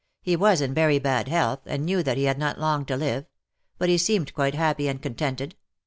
He was in very bad health, and knew that he had not long to live ; but he seemed quite happy and contented.